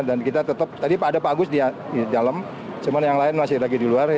dan kita tetap tadi ada pak agus di dalam cuman yang lain masih lagi di luar